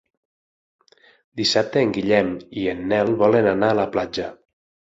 Dissabte en Guillem i en Nel volen anar a la platja.